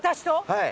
はい。